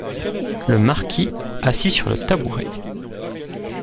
Le Marquis , assis sur le tabouret.